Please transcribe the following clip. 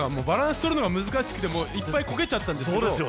バランス取るのが難しくていっぱいこけちゃったんですけど